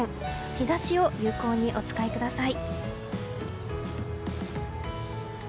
日差しを有効にお使いください。